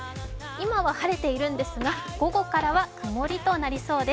今は晴れているんですが、午後からは曇りとなりそうです。